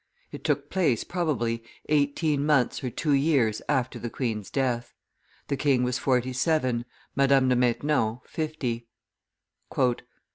It took place, probably, eighteen months or two years after the queen's death; the king was forty seven, Madame de Maintenon fifty.